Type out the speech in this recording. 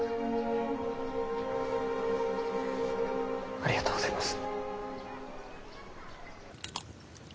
ありがとうございます。